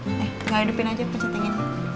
nih ga hidupin aja pencet ini